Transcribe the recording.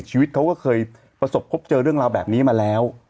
ชีวิตเขาก็เคยประสบพบเจอเรื่องราวแบบนี้มาแล้ว